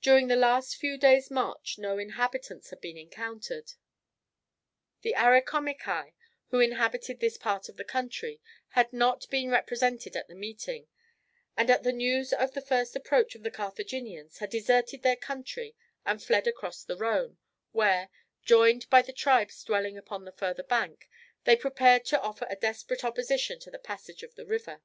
During the last few days' march no inhabitants had been encountered. The Arecomici, who inhabited this part of the country, had not been represented at the meeting, and at the news of the approach of the Carthaginians had deserted their country and fled across the Rhone, where, joined by the tribes dwelling upon the further bank, they prepared to offer a desperate opposition to the passage of the river.